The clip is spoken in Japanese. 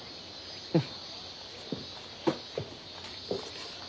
うん。